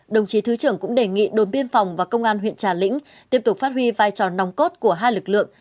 đồng chí thứ trưởng cũng đề nghị đồn biên phòng và công an huyện trà lĩnh tiếp tục phát huy vai trò nòng cốt của hai lực lượng